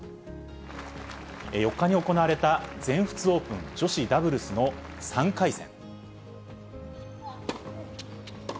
４日に行われた全仏オープン女子ダブルスの３回戦。